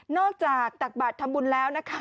จากตักบาททำบุญแล้วนะคะ